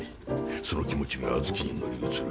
その気持ちが小豆に乗り移る。